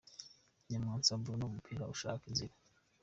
Nyamwasa Bruno ku mupira ashaka inzira .